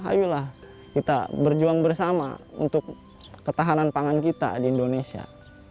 ayolah kita berjuang bersama untuk ketahanan pangan kita di indonesia